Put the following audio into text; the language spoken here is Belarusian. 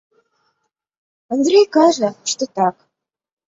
Андрэй кажа, што так.